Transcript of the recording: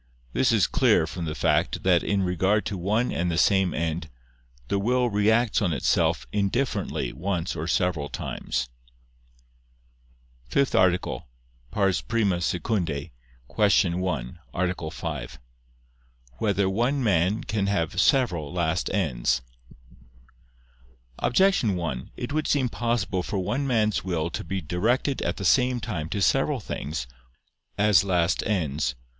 This is clear from the fact that in regard to one and the same end, the will reacts on itself indifferently once or several times. ________________________ FIFTH ARTICLE [I II, Q. 1, Art. 5] Whether One Man Can Have Several Last Ends? Objection 1: It would seem possible for one man's will to be directed at the same time to several things, as last ends.